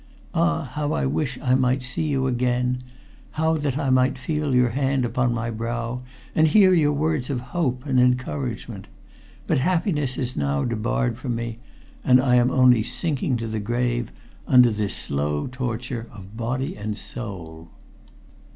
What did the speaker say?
Ah, how I wish I might see you once again; how that I might feel your hand upon my brow, and hear your words of hope and encouragement! But happiness is now debarred from me, and I am only sinking to the grave under this slow torture of body and of soul.